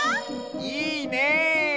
いいね！